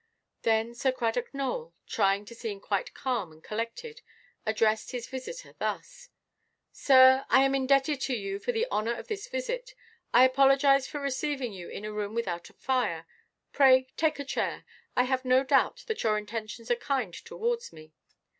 Then Sir Cradock Nowell, trying to seem quite calm and collected, addressed his visitor thus: "Sir, I am indebted to you for the honour of this visit. I apologize for receiving you in a room without a fire. Pray take a chair. I have no doubt that your intentions are kind towards me."